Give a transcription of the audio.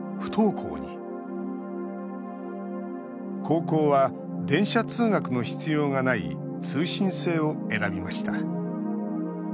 高校は電車通学の必要がない通信制を選びました。